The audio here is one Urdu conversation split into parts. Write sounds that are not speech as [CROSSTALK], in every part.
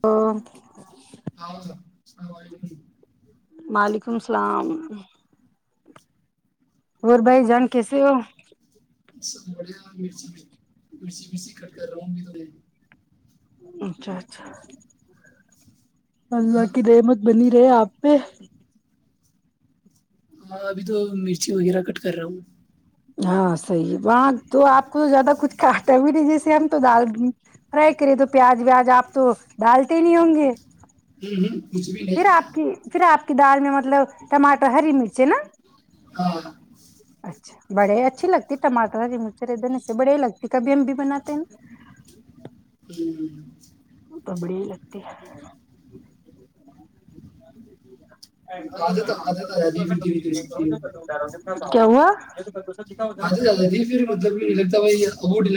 تو [UNINTELLIGIBLE] اللام علیکم [UNINTELLIGIBLE] وعلیکم اللام اور بھائی جان کیسے ہو سب بڑیا مرچی مرچی مرچی کٹ کر رہا ہوں ابھی تو میں اچھا اچھا ال ہاں حک دے مت بلی [UNINTELLIGIBLE] گ آپے [UNINTELLIGIBLE] ہاں ابھی تو مرچی وغیرہ کٹ کر رہا ہوں ہاں صحیح وہاں تو آپ کو تو زیادہ کچھ کاٹا بھی نہیں جیسے ہم تو دال فرائی کرے تو پیاز ویاز آپ تو ڈالتے نہیں ہوں گے جی پھر آپ کی پھر آپ کی کی دال میں مطلب ٹماٹر ہری مرچ ہے نا ہ [UNINTELLIGIBLE] بڑے اچھی لگتی ٹماٹر مچر ا دن اس سے بڑے لگتی کبھی ہم بھی بناتے ہیں نا ہوں تبڑی ہی لگتی عادت حادت آ جادی بھی کہ سکتی ہے کیوںا [UNINTELLIGIBLE] آدھیھر مطلب نہیں لگتا بھائی نہیں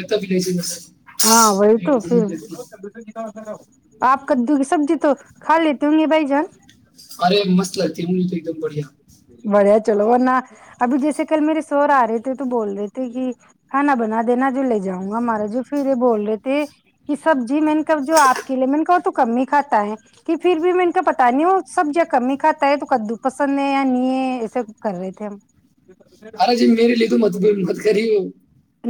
ہاں وہی تو پھر لگتا آپ کدو کی سبزی تو کھا لیتے ہوں گے بھائی جان ارے مسل ت [UNINTELLIGIBLE] ایک دم بڑھیا [UNINTELLIGIBLE] بڑھیا چلو ورنہ ابھی جیسے کل میرے سور آ رہے تھے تو بول رہے تھے کہ کھانا بنا دینا جو لے جاؤں گا ہمارا جو پھر یہ بول رہے تھے کہ سبزی میں نے جو آپ کے لیے میں نے کہ تو کم ہی کھاتا ہے کہ پھر بھی میں کا پتا نہیں ہو سبزیاں کم ہی کھاتا ہے تو کدو پسند یا نہیں ایسب کر رہے تھے ہم ارے جی مے ل مت ب مخت کری ہو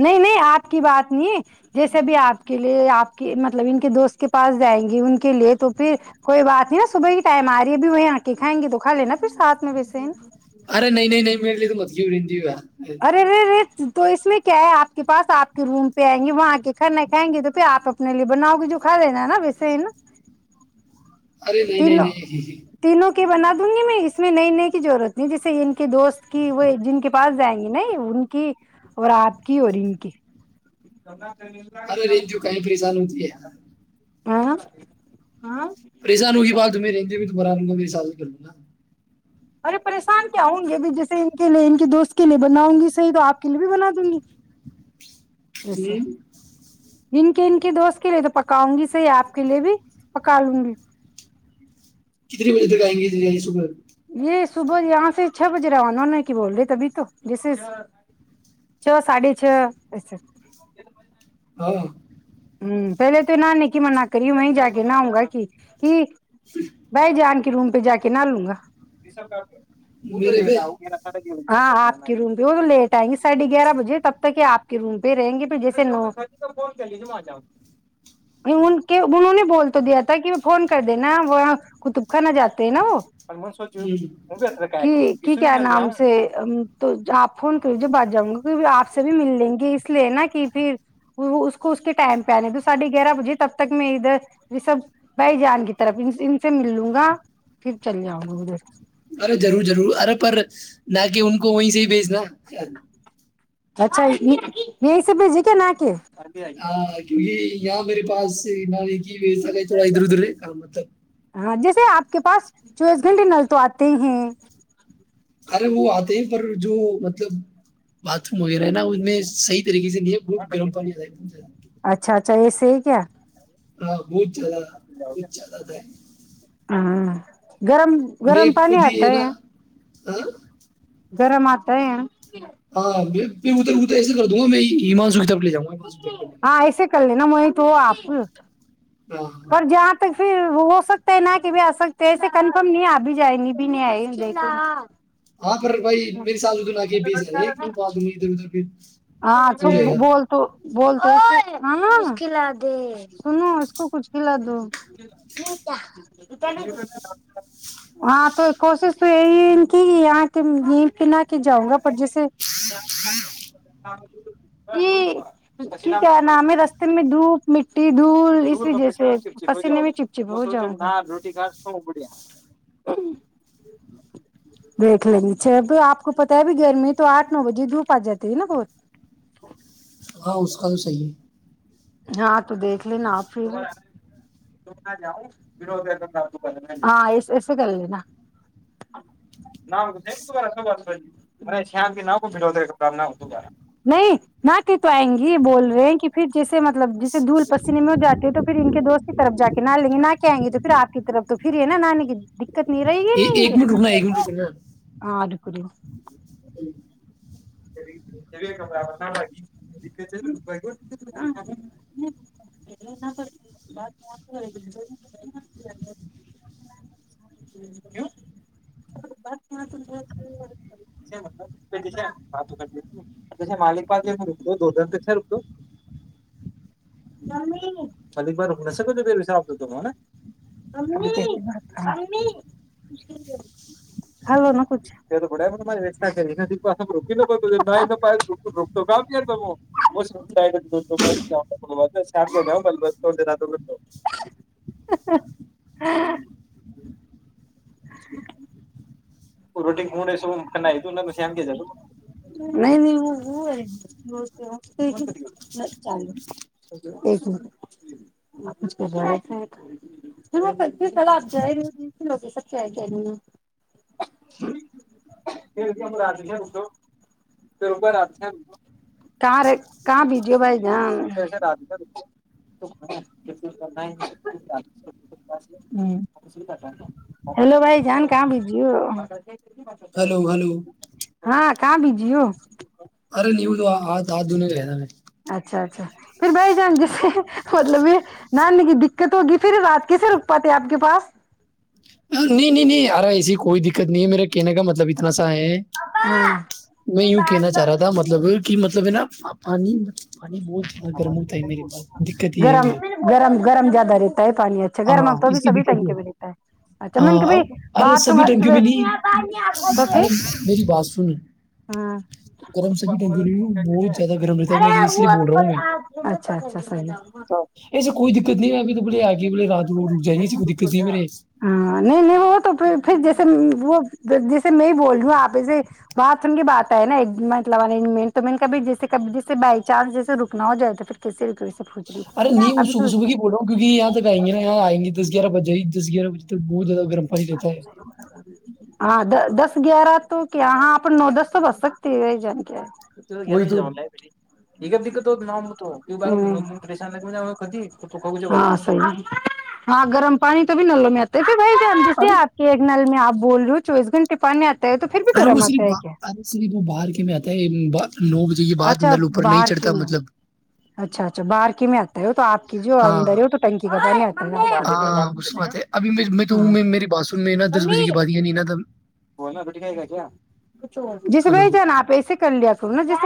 نہیں نہیں آپ کی بات نہیں جیسے بھی آپ کے لیے آپ کی مطلب ان کے دوست کے پاس جائیں گے ان کے لیے تو پھر کوئی بات نہیں نا صبح کی ٹائم آ رہی ہے ا بھی وہ آ کے کھائیں گی تو کھا لینا پھر ساتھ میں ویسے ہیں نا ار نہیں نہیں م ل لی ل ملب جی جیوا ارےے تو اس میں کیا ہے آپ کے پاس آپ کے روم پہ آئیں گے وہاں آ کے کھانا کھائیں گے تو پھر آپ اپنے لیے بناؤ گے جو کھا لینا ہے نا ویسے ہی نا ارے نہیں نہیں تینوں نہیں تینوں بنا دوں گی میں اس میں نئی نئے کی جضرورت نہیں جیسے ان کے دوست کی وہ جن کے پاس جائیں گے نہیں ان کی اور آپ کی اور ان کی ارے ر کہیں پریشان ہوتی ہے یار [INAUDIBLE] ہاں پریان ہوگی بات تمہیں رہیں گ بھی مران میں بھی سازو کر نا ارے پریشان کیا ہوں گی ا جیسے ان کے لیے ان کے دوست کے لیے بناؤں گی صحیح تو آپ کے لیے بھی بنا دوں گی اچھا ہوں ان کے ان کے دوست کے لیے تو پکاؤں گی صحیح آپ کے لیے بھی پکا لوں گی کتنی بجے تک آئیں گے صبح یہ صبح یہاں سے چھ بجے روانا نا کہ بول رہے تبھی تو جیسے چھ ساھے چھسے ہاں ہوں پہلے تو نہان نے کی مننا کری میں ہی جا کے نہاؤں گا کہ کہ بائی جانک روم پہ جا کے نہ لوں گا وہ تو میرے پہ دےاؤ گا س ہاں آپ کے روم پہ وہ تو لیٹ آئیں گے ساڑھے گیارہ بجے تب تک ہی آپ کے روم پہ رہیں گے پھر جیسے نو ان کے انہوں نے بول تو دیا تھا کہ وہ فون کر دینا وہ قطب خان جاتے ہیں نا وہ م سوچو ہوں م بھی ات کیا ہے نام سے تو آپ فون کری جب آد جاؤں گی کی آپ سے بھی مل لیں گے اس لیے نا کہ پھر اس کو اس کے ٹائم پہ آنے دو ساڑھے گیارہ بجے تب تک میں ادھر رب بھائی جان کی طرف ان سے مل لوں گا پھر چل جاؤں گا ادھر ارے ضرور ضرور ارے پر نہ کہ ان کو وہیں سے ہی بھیجنا [INAUDIBLE] اچھا یہ یہی س بھیجی کیا ن کے ہاں کی یہاں میرے پاساری ج و س گئی تھوڑا ادھر ادھر ہے کام تو سے آپ کے پاس چوبیس گھنٹے نل تو آتے ہیں ارے وہ آتے ہیں پر جو مطلب باتھ روم وغیرہ ہے نا ان میں صحی طریے سے ن بت گرم پانی آ اچھا اچھا ایسے ہی کیا ہاں بہت چ کچھ چل تھا ہاں گرم گرم پانی آتا ہے ا گرم آتا ہیں ہاں بھی میں ادھر اھر ایس کروں گا میں ایمان سوتا ہاں ایسے کلے ن م تو آپ گا۔ ہاں ہاں پر جہاں تک پھر ہو سکتا ہے نہ کہ بھی آ سکتے ہیں ایسے کنفرم نہیں آب بھی جائے گ بھی نہیں آئے ہاں پر بھائی میرے ساتھ ادھر آگ بھیج رہ ت پا د ادھر ادھر پھر ہو جائے گا بولتے کلا سنو اس کو کچھ کھلا دو ہاں تو کوشش تو یہی ان کی یہاں کی ن پنا کے جاؤں گا پر جیے کہ کیا ن میں رستے میں دھوپ مٹی دھول اسی جیس پسینے میں چپ چپ ہو جاؤں گا دیکھ ل گی اچھا ا آپ کو پتاہ ہے بھی گرمی تو آٹھ نو بجے دھوپ آ جاتی ہے نا بہت ہاں اس کا تو صحیح ہے ہاں تو دیکھ لینا آپھراں ایسے کر لینا تو آئیں گی بول رہے ہیںھر جیسے مطلب جیے دھول پسینے میں ہو جاتے ہے تو پھر ان کے دوست کی طرفا کے نہ لیں گے نہ کے آئیں گے تو پھر آپ کی طرف تو پھر یہ نا نانے کی کتنی رہے گی نا یہ ان ایک کے منٹ رکنا ایک منٹ رکنا ہ کر نہ لگیات ملک پا رک دو دو ج کے رک دو ملک پا رک نہ سک پسااب دو تو میں نا تو پڑچتا رم [UNINTELLIGIBLE] [UNINTELLIGIBLE] اں کہاں بیجو بھائی جان ہلو بھائی جان کہاں بی ج ہلو ہلو ہاں کہاں بجی ہو سات دن رہ ج میں اچھا اچھا پھر بھائی جان جیسے مطلب یہ نانے کی دقت ہوگی پھر رات کیسے رک پاتے آپ کے پاس نہیں نہیں نہیں آارا ایسی کوئی دقت نہیں ہے میرا کہنے کا مطلب اتنا ہے ہوں میں یوں کہنا چاہ رہا تھا مطلب کی مطلب ہے نا پانی پانی بہت زیادہ گرم ہوتا ہے میرے پاس دقت یہ ہے گرم میری گرم گرم زیادہ رہتا ہے پانی اچھا ہاں گرم ا ہاں تو بھی اس کی سبھی دقت یہ ہے ٹنکے میں رہتا ہے۔ اچھا میں نے کہ ہاں بھائی ارے باتھ روم سبھی ٹنکیوں میں نہیں تو پھر ارے میری بات سن ہاں گرم سبھی ٹنکیوں میں بہت زیادہ۔ تا میری اس لیے بول رہا ہوں میں اچھا اچھا صحیح ہاں ایسے کوئی دقت نہیں ہے ابھی تو۔ پورے آگے بولے رات کو رک جایں گیے کسی کو دقت نہیں ہیں میرے۔ ہاں نہیں نہیں وہ توھر پھر جیسے وہ جیے میں ہی بول رہی ہوں آپ سے باتھ روم کی بات آئے نا مطلب انجمنٹ تو میں نے کبھی جیسے ک جیسے بائی چانس جیسے رکنا ہو جائے تو پھر کیسے رک۔ ارے نی وہ سبے سبے کی بول رہا ہوں۔ کیوکہ یہاں تک آیں گے نا یہاں آئ گے دس گیارہ بجے ہی دس گیارا بجے۔ تک بہت زیادہ گرم پانی رہتا ہے ہاں د دس۔ دس گیارہ تو کیا ہاں آپ نو دس تو بچ سکتے ہے جان کے۔ [INAUDIBLE] وہی تو ہاں صحیح ہاں گرم پانی تو بھی نلو میں۔ [INAUDIBLE] وہی پے ہم جسے ابھی آپ کے ایک نل میں آپ۔ بول رہے چوبیس گھنے پاننے آ۔ ارے وہ صرف باہر صرف وہ باہر کے میں آتا ہے۔ نو بجے کے بعد اچھا نل اوپر نہیں باہر کی چڑھتا میں مطلب۔ اچھا اچھا باہر کی میں آتا ہے وہ تو آپ۔ [INAUDIBLE] کی جو ہاں اندر ہے وہ تو ٹنکی کا ہاں اس بات ہے ابھی میں میں تو ہوں میں میری بات سن میں نا دس بجے کے بعد یعنی نا تب ہلو ہے۔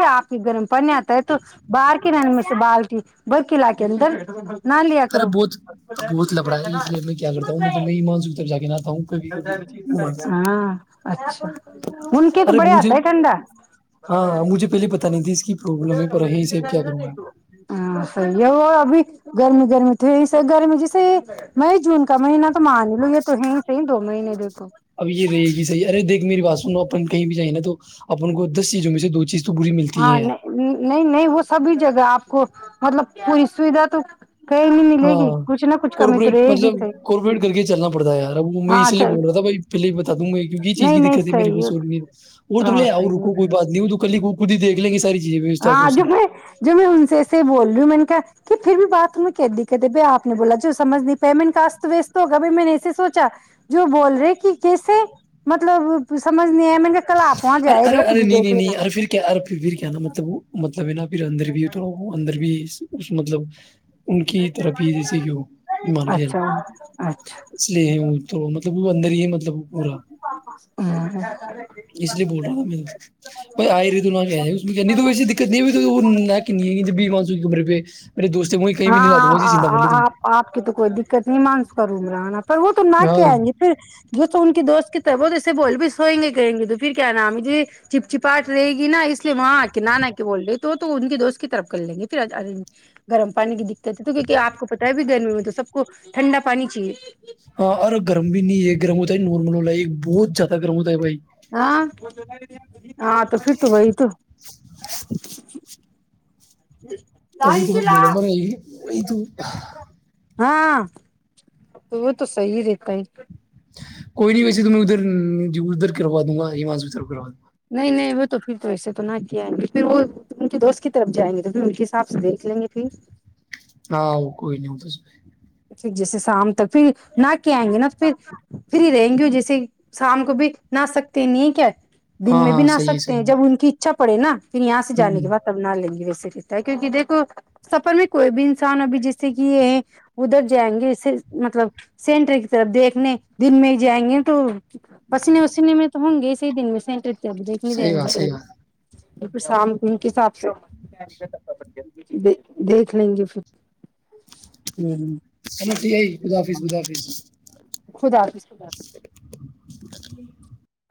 آپ ہی گرم پانی آتا ہے تو باہر کے۔ باہر کی نل میں سے بالٹی لاکے اندر۔ نا لیا ارے کرو بہت بہت لبڑا ہے اس لیے میں کیا کرتا ہوں میں تو میں ایمان سو تک جا کے نہاتا ہوں کبھی کبھی ایمان سے ہاں اچھا ان کے تو ارے بڑھا مجھے اتا ہے کنڈا۔ ہاں مجھے پہلے پتا نہیں تھی اس کی پرابلم ہے پر یہیں سے ہاں کیا کروں گا صحیح ہے۔ تو ابھی گرمی گرمی تو گرمی جیسے مئی جون کا مہینہ تو مان ہی لو یہ تو ہے ہی صحیح دو مہینے دیکھو۔ اب یہ رہے گی صیح ارے دیکھ میری بات سنو اپن کہیں بھی جائیں نا تو اپن کو دس چیزوں میں سے دو چیز۔ تو بری ملتی ہے ہاں یار نہیں نہیں نہیں وہ سبھی۔ جگہ آپ کو مطلب پوری سویدھا تو۔ کہیں نہیں ملے گی ہاں کچھ نہ کچھ کمی تو کارپوریٹ رہے گی مطلب صحیح کارپوریٹ کر کے چلنا پڑتا ہے یار وہ میں ہاں اسی لیے اچھا بول رہا تھا بھائی پہل بتا دوں گ کیک یہ چیز نہیں کی نہیں دقت تھی میرے کو صحیح ہے شورٹ میں اور ہاں تھوڑے او صحیح ہے رکو کوئی بات نہیں تو کلی کو۔ خودھی دیک لیں گے ساری۔ چیزیں ویوستھا تو ہاں جو سب میں جو میں ان سے سے بول رہی ہوں میں نے کہا۔ کہ پھر بھی بات میں کی دقت ہے ب آپ نے بولا جو سمجھ نہیں پمن کاست وست ہوگا بائی میں نے ایسے سوچا جو بول رہے کہ کیسے مطلب سمج۔ ار ارے ارے نہیں نہیں نہیں لینا ارے پھر کیا ارے پھر کیا نا مطلب وہ۔ مط۔ تبھی نا پھر اندر بھی تو ہو تو اندر بھی۔ اس مطلب ان کی طرفی جیسے کی مان گ اچھا اچھا اس لیے توت مطلب وہ اندر ہی مطلب پورا ہ [INAUDIBLE] اس لیے بول رہا تھا میں بھائی آئے رہی تو کہ نہیں تو ویسی دقت نہیں نہ بیس مانسو کی عمرے پہ میرے دوست ہیں وہیں کہیں بھی نہیں لاتا ہاں وہیں زندہ ہ مر لے تم آپ آپ کی تو کوئی دقت نہیں مانسک کر ا مران پر وہ تو نہ ہاں کے آئیں گے پھر جو تو ان کے دوست کی طرف وہ ایسے بول بھی سوئیں گے کریں گے تو پھر کیا نام مجھے چپ چپاٹ رہےی نا اس لیے وہاں آ کے نانا کے بول رہے تو ان کی دوست کی طرف کر لیں گے پھر گرم پانی کی دقت ہے تو کیکہ آ کو پتا ہے بھی گرمی میں تو سب کو ٹھنڈا پانی چاہیے ہاں ارے گرم بھی نہیں یہ گرم ہو تھا ہے نرمل ہو ل ہے بہت زد گرموںتا ہے بھائی ہاں ہاں تو پھر تو وہی تو [INAUDIBLE] توب تو بڑ بڑ یہ تو ہاں تو وہ تو صحی رہتا ہے کوئی نہیں ویسے تو میں ادھر ادھر کروا دوں گا ہماش بھی کروا دوںا نہیں نہیں وہ تو پھر تو ایسے تو نہ کیائیں گے پھر وہ ان کے دوست کی طرف جائیں گے تو پھر ان کے حساب سے دیکھ لیں گے پھر آ کوئی نہیں توسائی پھر جیسے شام تک پھر نہ کے آئیں گے نا تو پھر پھر ہی رہیں گے جیسے شام کو بھی نہا سکتے نہیں کیا دن ہاں میں بھی ہاں نہ صحیح ہے سکتے ہیں صحیح ہے جب ان کی اچھا پڑےا پھر یہاں سے جان کے ہوں بع تبنا لیں گی ویے تا ہے کیونکہ دیکو سفر میں کوئی بھی انسان ابھی جیسے کہ یہ ہے ادھر جائیں گے مطلب سینٹر کی طرف دیکھنے دن میں ہی جائیں گے تو پسینے وسینے میں تو ہوں گے دن میں سےینٹ اب دیکھنے جائیں صحیح بات صحیح بات گے پھر شام ان کے حساب سے دیکھ لیں گے پھر ہوں سمجھ یہ پد آفس بد آفس خدا حافظ خدافظ [INAUDIBLE]